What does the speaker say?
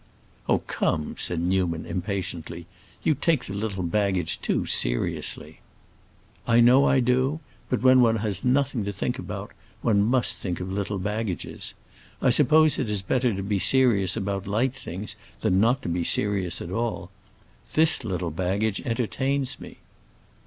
"Oh, come," said Newman, impatiently, "you take the little baggage too seriously." "I know I do; but when one has nothing to think about, one must think of little baggages. I suppose it is better to be serious about light things than not to be serious at all. This little baggage entertains me."